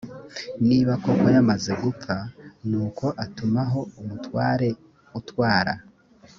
niba koko yamaze gupfa nuko atumaho umutware utwara